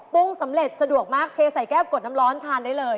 สำเร็จสะดวกมากเทใส่แก้วกดน้ำร้อนทานได้เลย